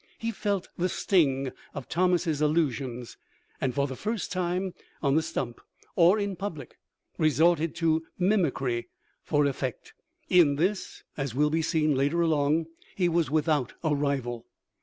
He felt the sting of Thomas's allusions, and for the first time, on the stump or in pub lic, resorted to mimicry for effect. In this, as will be seen later along, he was without a rival.